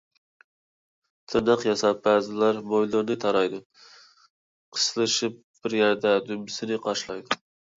تىرناق ياساپ بەزىلەر مويلىرىنى تارايدۇ، قىستىلىشىپ بىر يەردە دۈمبىسىنى قاشلايدۇ.